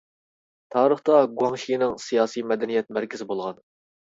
تارىختا گۇاڭشىنىڭ سىياسىي، مەدەنىيەت مەركىزى بولغان.